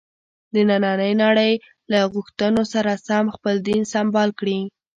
د نننۍ نړۍ له غوښتنو سره سم خپل دین سمبال کړي.